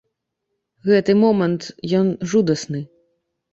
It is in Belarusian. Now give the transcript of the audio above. Гэты момант, ён жудасны.